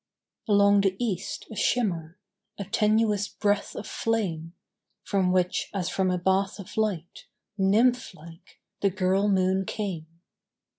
Along the east a shimmer, A tenuous breath of flame, From which, as from a bath of light, Nymph like, the girl moon came.